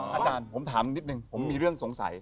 อาจารย์ผมถามนิดนึงผมมีเรื่องสงสัย